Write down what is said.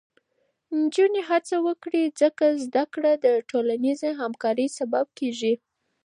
نجونې هڅه وکړي، ځکه زده کړه د ټولنیزې همکارۍ سبب کېږي.